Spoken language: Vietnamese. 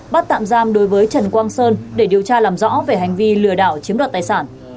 bắt tạm giam đối với trần quang sơn để điều tra làm rõ về hành vi lừa đảo chiếm đoạt tài sản